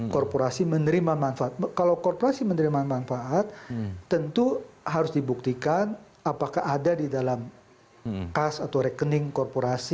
korporasi menerima manfaat kalau korporasi menerima manfaat tentu harus dibuktikan apakah ada di dalam kas atau rekening korporasi